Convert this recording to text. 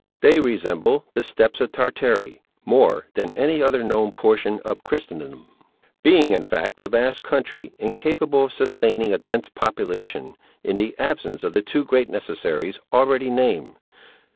They resemble the steppes of Tartary more than any other known portion of Christendom; being, in fact, a vast country, incapable of sustaining a dense population, in the absence of the two great necessaries already named.